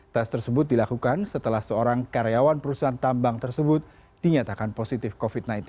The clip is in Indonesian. tes tersebut dilakukan setelah seorang karyawan perusahaan tambang tersebut dinyatakan positif covid sembilan belas